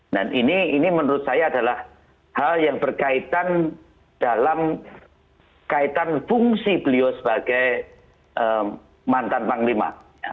dan ini menurut saya adalah hal yang berkaitan dalam kaitan fungsi beliau sebagai mantan panglima